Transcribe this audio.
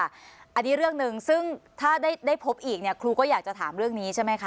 อันนี้เรื่องหนึ่งซึ่งถ้าได้พบอีกเนี่ยครูก็อยากจะถามเรื่องนี้ใช่ไหมคะ